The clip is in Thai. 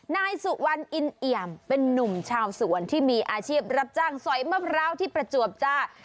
นายสุวรรณอินเอี่ยมเป็นนุ่มชาวสวนที่มีอาชีพรับจ้างสอยมะพร้าวที่ประจวบจ้า